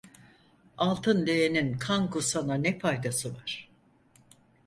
Altın leğenin kan kusana ne faydası var?